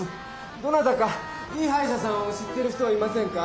どなたかいいはいしゃさんを知ってる人はいませんか？